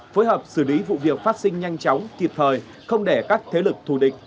phối hợp xử lý vụ việc phát sinh nhanh chóng kịp thời không để các thế lực thù địch